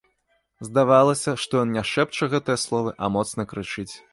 Здавалася, што ён не шэпча гэтыя словы, а моцна крычыць.